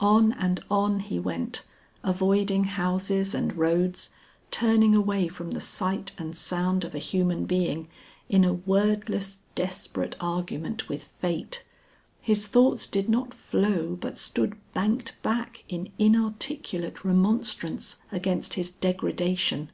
On and on he went, avoiding houses and roads, turning away from the sight and sound of a human being in a wordless desperate argument with Fate. His thoughts did not flow but stood banked back in inarticulate remonstrance against his degradation.